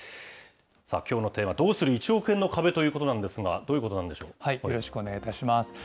きょうのテーマ、どうする１億円の壁ということなんですが、どうよろしくお願いいたします。